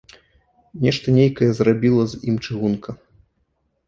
Нешта нейкае зрабіла з ім чыгунка.